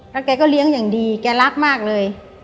แล้วแกก็เลี้ยงอย่างดีแกรักมากเลย